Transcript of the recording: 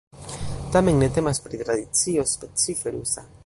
Tamen ne temas pri tradicio specife rusa.